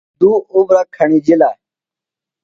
دُو اُبرہ کھݨِجِلہ۔